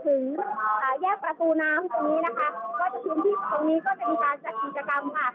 อ่าแยกประตูน้ำตรงนี้นะคะก็จะพื้นที่ตรงนี้ก็จะมีการจัดกิจกรรมค่ะ